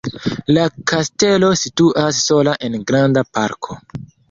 La kastelo situas sola en granda parko.